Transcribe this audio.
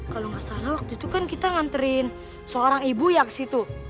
kalau nggak salah waktu itu kan kita nganterin seorang ibu ya ke situ